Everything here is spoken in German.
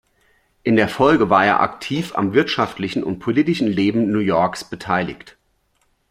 In der Folge war er aktiv am wirtschaftlichen und politischen Leben New Yorks beteiligt.